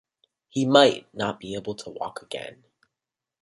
He might not be able to walk again.